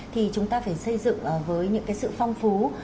thì chúng ta phải xây dựng với những cái sự phong phú